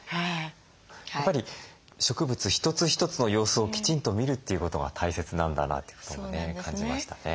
やっぱり植物一つ一つの様子をきちんと見るっていうことが大切なんだなってこともね感じましたね。